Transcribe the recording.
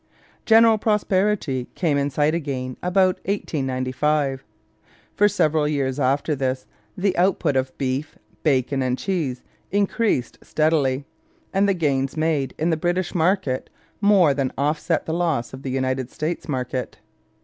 General prosperity came in sight again about 1895. For several years after this the output of beef, bacon, and cheese increased steadily, and the gains made in the British market more than offset the loss of the United States market.